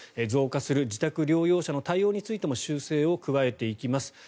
増加する自宅療養者の対応についても修正を加えていきます。